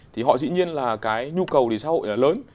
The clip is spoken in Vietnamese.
thì họ dĩ nhiên là cái nhu cầu đi xã hội là lớn